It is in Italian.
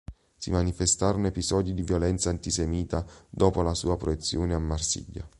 Si manifestarono episodi di violenza antisemita dopo la sua proiezione a Marsiglia.